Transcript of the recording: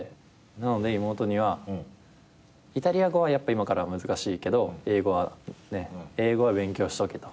なので妹にはイタリア語は今から難しいけど英語はね英語は勉強しとけと。